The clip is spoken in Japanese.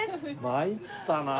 参ったなあ。